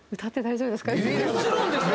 もちろんですよ！